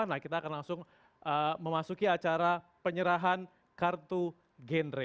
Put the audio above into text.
nah kita akan langsung memasuki acara penyerahan kartu gendre